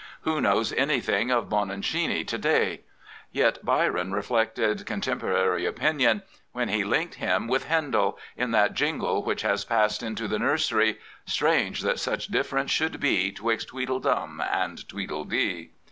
Who knows anything of Bononcini to day? Yet Byrom reflected contemporary opinion when he linked him with Handel in that jingle which has passed into the nursery: strange that such difierence should be 'Twixt Tweedledum and Tweedledee.